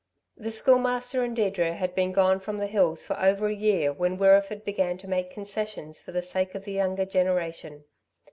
The Schoolmaster and Deirdre had been gone from the hills for over a year when Wirreeford began to make concessions for the sake of the younger generation.